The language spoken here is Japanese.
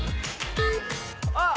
あっ！